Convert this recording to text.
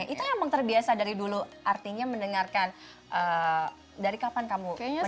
itu emang terbiasa dari dulu artinya mendengarkan dari kapan kamu